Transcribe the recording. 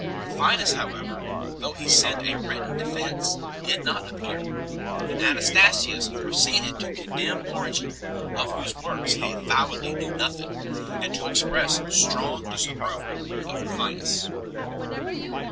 Rufinus however, though he sent a written defence, did not appear, and Anastasius proceeded to condemn Origen, of whose works he avowedly knew nothing, and to express strong disapproval of Rufinus 3